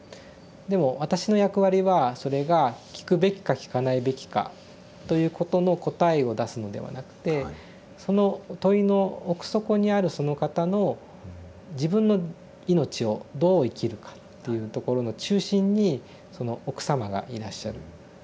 でも私の役割はそれが聞くべきか聞かないべきかということの答えを出すのではなくてその問いの奥底にあるその方の自分の命をどう生きるかっていうところの中心にその奥様がいらっしゃる。